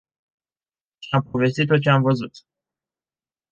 Și am povestit tot ce am văzut.